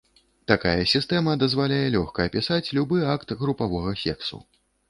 Такая сістэма дазваляе лёгка апісаць любы акт групавога сексу.